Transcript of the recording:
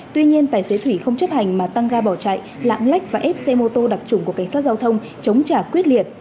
tuy nhiên tài xế thủy không chấp hành mà tăng ga bỏ chạy lạng lách và ép xe mô tô đặc trùng của cảnh sát giao thông chống trả quyết liệt